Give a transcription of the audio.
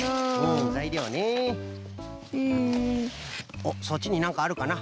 おっそっちになんかあるかな？